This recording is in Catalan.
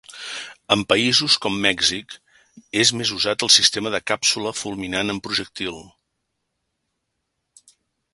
En països com Mèxic és més usat el sistema de càpsula fulminant amb projectil.